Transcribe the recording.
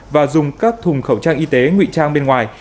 và dùng các thùng khẩu trang y tế ngụy trang bên ngoài